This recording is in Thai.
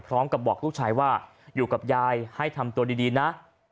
บอกลูกชายว่าอยู่กับยายให้ทำตัวดีนะ